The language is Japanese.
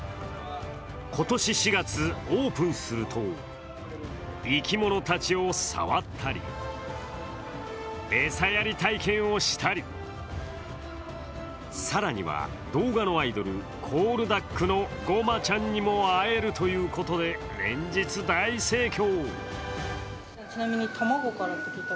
今年４月オープンすると生き物たちを触ったり餌やり体験をしたり、更には動画のアイドルコールダックのごまちゃんにも会えるということで連日大盛況。